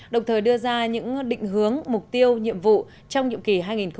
đồng thời đưa ra những định hướng mục tiêu nhiệm vụ trong nhiệm kỳ hai nghìn một mươi tám hai nghìn hai mươi ba